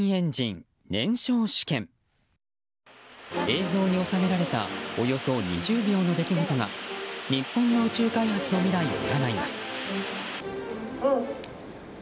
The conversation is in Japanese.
映像に収められたおよそ２０秒の出来事が日本の宇宙開発の未来を占います。